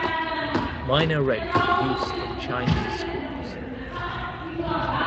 Miner wrote for use in Chinese schools.